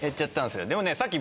でもさっき。